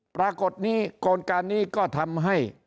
ปรากฏนี้กลการนี้ก็ทำให้